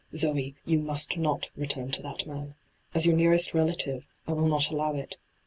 Zoe, you must not return to that man. As your nearest relative, I will not allow it.